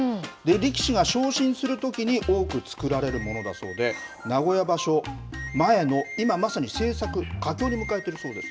力士が昇進するときに多く作られるものだそうで、名古屋場所前の今、まさに制作、佳境を迎えているそうです。